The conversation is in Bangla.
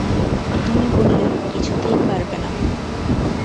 তুমি বললে, কিছুতেই পারবে না।